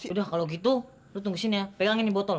udah kalau gitu lo tunggu sini ya pegang ini botol